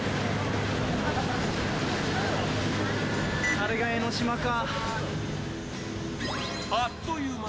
あれが江の島か。